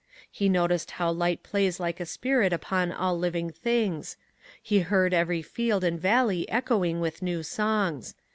He noticed how light plays like a spirit upon all living things. He heard every field and valley echoing with new songs.